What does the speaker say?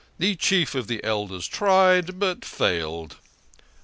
The Chief of the Elders tried, but failed."